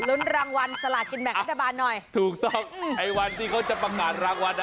ลุ้นรางวัลสลากินแบ่งรัฐบาลหน่อยถูกต้องไอ้วันที่เขาจะประกาศรางวัลอ่ะ